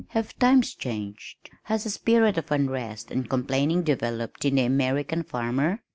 "Have times changed? Has a spirit of unrest and complaining developed in the American farmer?"